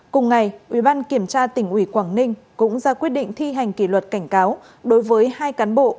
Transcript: cùng ngày ubnd tp quảng ninh cũng ra quyết định thi hành kỷ luật cảnh cáo đối với hai cán bộ